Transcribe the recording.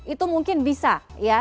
itu mungkin bisa ya